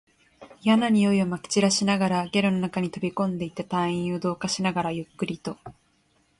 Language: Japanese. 嫌な臭いを撒き散らしながら、ゲルの中に飛び込んでいった隊員を同化しながら、ゆっくりと